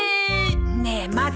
ねえまだ？